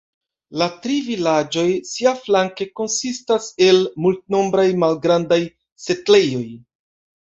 La tri vilaĝoj siaflanke konsistas el multnombraj malgrandaj setlejoj.